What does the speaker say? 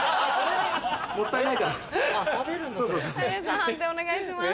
判定お願いします。